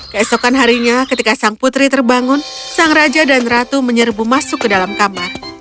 keesokan harinya ketika sang putri terbangun sang raja dan ratu menyerbu masuk ke dalam kamar